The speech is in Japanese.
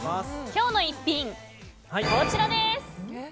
今日の逸品、こちらです。